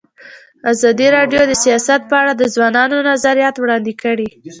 ازادي راډیو د سیاست په اړه د ځوانانو نظریات وړاندې کړي.